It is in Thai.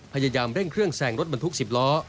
พยายามเร่งเครื่องแซงรถบรรทุก๑๐ล้อ